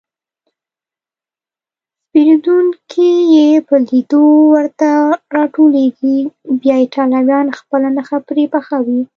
سپېرکونډکې یې په لېدو ورته راټولېږي، بیا ایټالویان خپله نښه پرې پخوي.